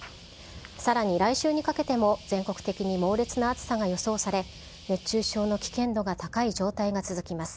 さらに来週にかけても全国的に猛烈な暑さが予想され、熱中症の危険度が高い状態が続きます。